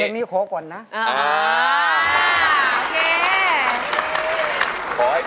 เอาไว้ยากยาก